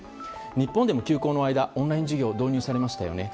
日本でも休校の間オンライン授業が導入されましたよね。